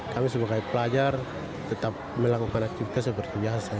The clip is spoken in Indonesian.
kami sebagai pelajar tetap melakukan aktivitas seperti biasa